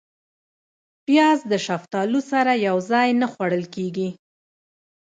پیاز د شفتالو سره یو ځای نه خوړل کېږي